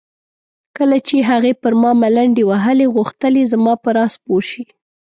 کله چې هغې پر ما ملنډې وهلې غوښتل یې زما په راز پوه شي.